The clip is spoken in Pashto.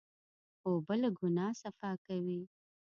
اوبه له ګناه صفا کوي.